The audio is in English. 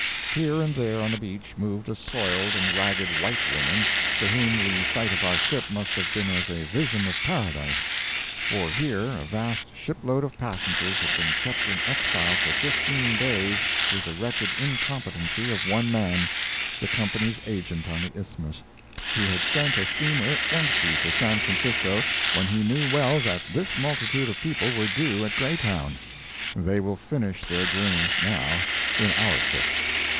Here and there on the beach moved a soiled and ragged white woman, to whom the sight of our ship must have been as a vision of Paradise; for here a vast ship load of passengers had been kept in exile for fifteen days through the wretched incompetency of one man—the Company's agent on the Isthmus. He had sent a steamer empty to San Francisco, when he knew well that this multitude of people were due at Greytown. They will finish their journey, now, in our ship.